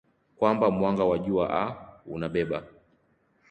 kwamba mwanga wa jua aa unabeba